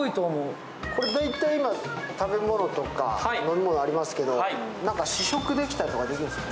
これ大体今、食べ物とか飲み物ありますが、試食できたりするんですか？